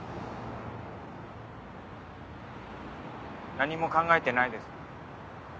何も考えてないです。